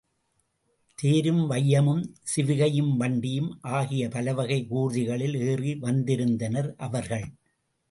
தேரும் வையமும் சிவிகையும் வண்டியும் ஆகிய பலவகை ஊர்திகளில் ஏறி வந்திருந்தனர் அவர்கள்.